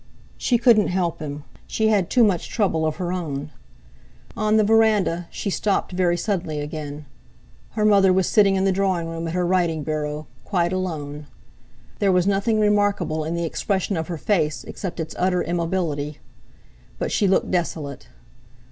She couldn't help him, she had too much trouble of her own! On the verandah she stopped very suddenly again. Her mother was sitting in the drawing room at her writing bureau, quite alone. There was nothing remarkable in the expression of her face except its utter immobility. But she looked desolate!